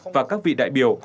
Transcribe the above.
và các vị đại biểu